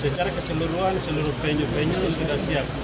secara keseluruhan seluruh venue venue itu sudah siap